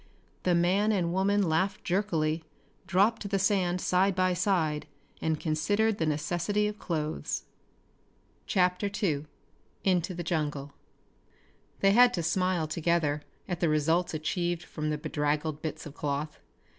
The man and woman laughed jerkily, dropped to the sand side by side and considered the necessity of clothes. CHAPTER II Into the Jungle They had to smile together at the results achieved with the bedraggled bits of cloth.